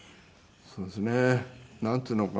そうですね。なんていうのかな。